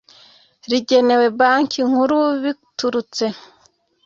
rigenewe Banki Nkuru biturutse